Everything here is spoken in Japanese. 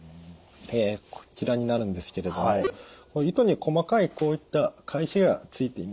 こちらになるんですけれども糸に細かいこういった返しがついています。